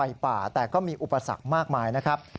ป่าแต่ก็มีอุปสรรคมากมายนะครับ